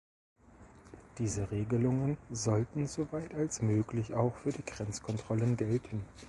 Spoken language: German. Diese Regelungen sollten soweit als möglich auch für die Grenzkontrollen gelten.